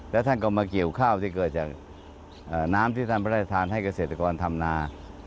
แล้วท่านก็มาเกี่ยวข้าวที่เกิดจากน้ำที่ท่านพระราชทานให้เกษตรกรทำนา